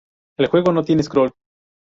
El juego no tiene scroll.